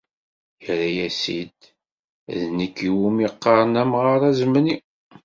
Yerra-as-id: "D nekk iwumi qqaren amɣar azemni."